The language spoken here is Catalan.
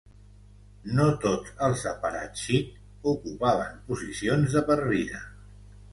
No tots els apparàtxik ocupaven posicions de per vida.